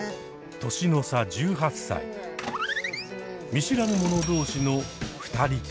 年の差１８歳見知らぬ者同士の二人旅。